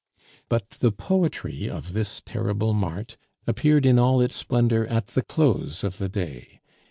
But the poetry of this terrible mart appeared in all its splendor at the close of the day.